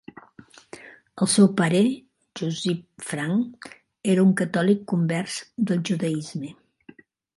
El seu pare, Josip Frank, era un catòlic convers del judaisme.